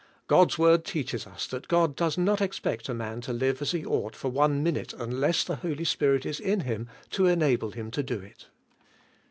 God's Word teaches us that God does not expect a man to live as he ought for one minute unless the Hol}^ Spirit is in him to enable him to do it.